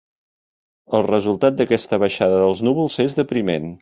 El resultat d'aquesta baixada dels núvols és depriment.